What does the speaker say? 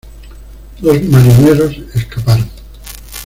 Dos marineros escaparon.